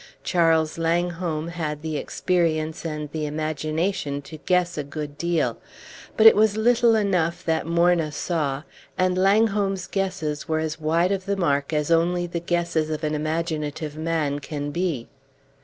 Charles Langholm had the experience and the imagination to guess a good deal. But it was little enough that Morna saw, and Langholm's guesses were as wide of the mark as only the guesses of an imaginative man can be.